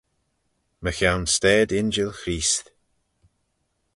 Mychione stayd injil Chreest.